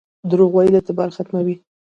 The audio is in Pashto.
دروغ ویل اعتبار ختموي